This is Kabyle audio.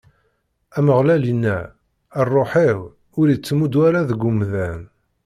Ameɣlal inna: Ṛṛuḥ-iw ur ittdumu ara deg umdan.